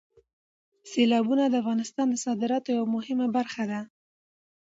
سیلابونه د افغانستان د صادراتو یوه مهمه برخه ده.